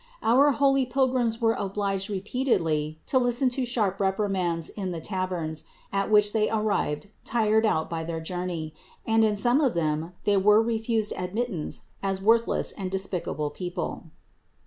Our holy pilgrims were obliged repeatedly to listen to sharp reprimands in the taverns, at which they arrived tired out by their journey, and in some of them they were refused admittance as worthless and despicable people.